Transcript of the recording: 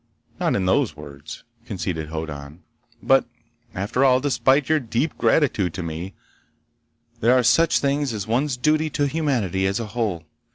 "Not in those words," conceded Hoddan. "But after all, despite your deep gratitude to me, there are such things as one's duty to humanity as a whole.